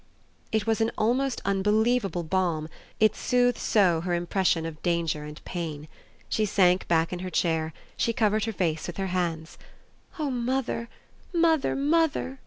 It was an almost unbelievable balm it soothed so her impression of danger and pain. She sank back in her chair, she covered her face with her hands. "Oh mother, mother, mother!"